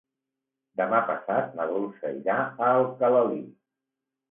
Demà passat na Dolça irà a Alcalalí.